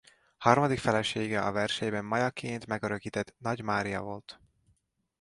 Harmadik felesége a verseiben Mayaként megörökített Nagy Mária volt.